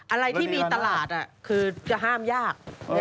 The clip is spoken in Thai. อะไรที่มีตลาดคือจะห้ามยาก